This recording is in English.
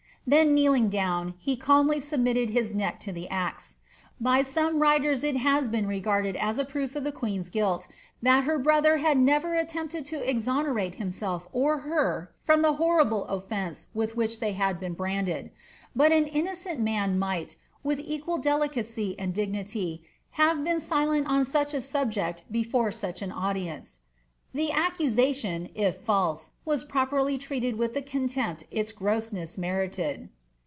"' Then kneeling down, he calmly submitted liis neck to the axe. Bf fame writers it has been regarded as a proof of the queen's guilt, that lirj' broilicT neither alleinpled to exonerate hunself or her from the hor rible olTcnce with which limy Imd been branded. But an iuooceut man might, with equal delicacy and dignity, have been silent on such a aub> JKt before such an audience. The accusation, if lalse, was properly tnued with the contempt its grossness merited.